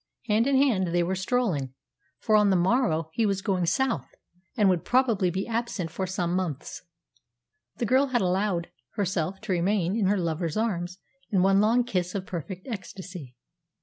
Hand in hand they were strolling, for on the morrow he was going south, and would probably be absent for some months. The girl had allowed herself to remain in her lover's arms in one long kiss of perfect ecstasy.